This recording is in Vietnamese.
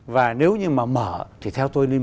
và nếu như mà mở thì theo tôi nên